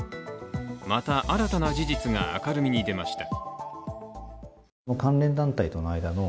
また、新たな事実が明るみに出ました。